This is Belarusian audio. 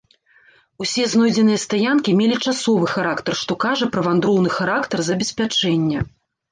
Усе знойдзеныя стаянкі мелі часовы характар, што кажа пра вандроўны характар забеспячэння.